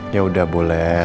ya udah boleh